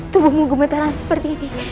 tubuhmu gemetaran seperti ini